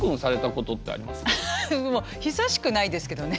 久しくないですけどね。